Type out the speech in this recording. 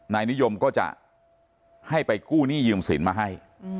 นายนิยมก็จะให้ไปกู้หนี้ยืมสินมาให้